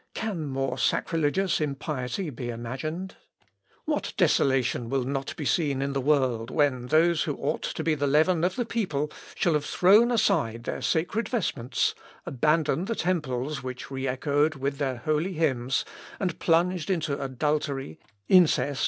Can more sacrilegious impiety be imagined?... What desolation will not be seen in the world when those who ought to be the leaven of the people shall have thrown aside their sacred vestments, abandoned the temples which re echoed with their holy hymns, and plunged into adultery, incest, and dissoluteness!...